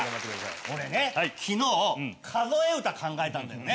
俺ね昨日数え歌考えたんだよね。